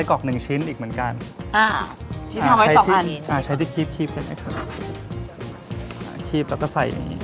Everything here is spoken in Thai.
อะลองให้ต่อค่ะ